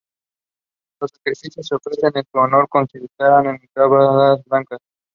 Los sacrificios que se ofrecían en su honor consistían en cabras blancas.